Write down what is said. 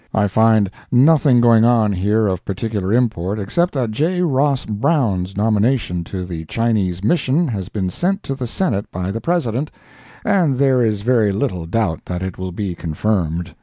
I find nothing going on here of particular import, except that J. Ross Browne's nomination to the Chinese Mission has been sent to the Senate by the President, and there is very little doubt that it will be confirmed.